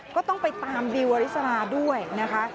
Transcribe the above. ก็ต้องไปตามดิวอริสราด้วยนะคะ